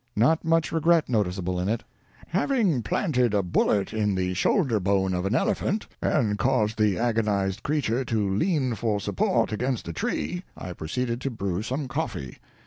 Not much regret noticeable in it. ["Having planted a bullet in the shoulder bone of an elephant, and caused the agonized creature to lean for support against a tree, I proceeded to brew some coffee.